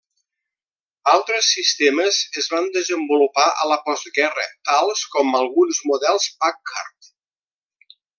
Altres sistemes es van desenvolupar a la postguerra tals com alguns models Packard.